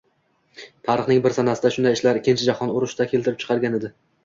Tarixning bir sanasida shunday ishlar ikkinchi jahon urushini keltirib chiqargan edi...